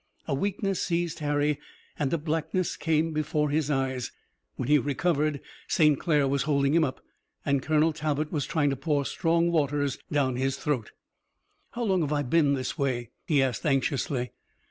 A weakness seized Harry and a blackness came before his eyes. When he recovered St. Clair was holding him up, and Colonel Talbot was trying to pour strong waters down his throat. "How long have I been this way?" he asked anxiously.